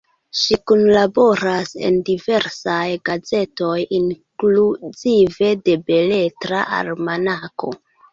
Ŝi kunlaboras en diversaj gazetoj, inkluzive de Beletra Almanako.